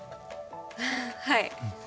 はい。